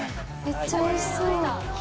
めっちゃおいしそう。